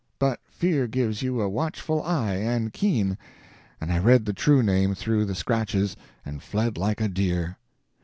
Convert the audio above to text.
But fear gives you a watchful eye and keen, and I read the true name through the scratches, and fled like a deer.